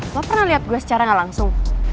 lo pernah lihat gue secara gak langsung